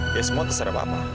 ya semua terserah papa